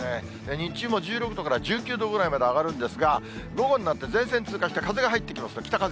日中も１６度から１９度ぐらいまで上がるんですが、午後になって前線通過して、風が入ってきます、北風。